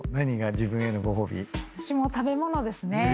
私も食べ物ですね。